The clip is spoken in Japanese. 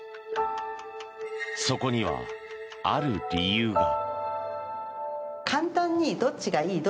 そこにはある理由が。